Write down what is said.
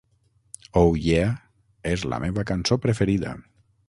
Oh Yeah és la meva cançó preferida.